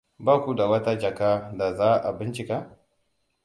Ba ku da wata jaka da za a bincika?